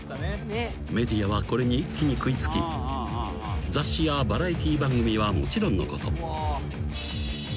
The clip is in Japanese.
［メディアはこれに一気に食い付き雑誌やバラエティー番組はもちろんのこと］